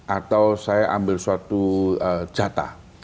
atau saya ambil suatu jatah